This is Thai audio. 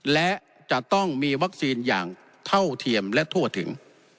และจะต้องมีวัคซีนอย่างเท่าเทียมและทั่วถึง